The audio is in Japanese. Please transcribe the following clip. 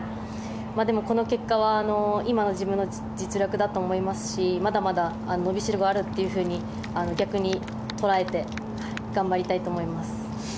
でも、この結果は今の自分の実力だと思いますしまだまだのびしろがあると逆に捉えて頑張りたいと思います。